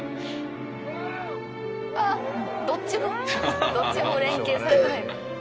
ああどっちもどっちも連係されてない。